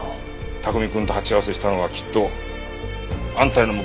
卓海くんと鉢合わせしたのはきっとあんたへの報いだ。